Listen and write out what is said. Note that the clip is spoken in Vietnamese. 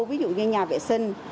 ví dụ như nhà vệ sinh